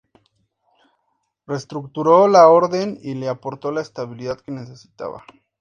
Reestructuró la orden y le aportó la estabilidad que necesitaba.